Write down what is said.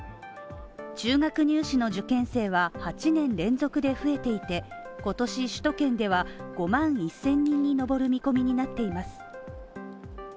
中学入試の受験生は８年連続で増えていて、今年、首都圏では５万１０００人に上る見込みになっています。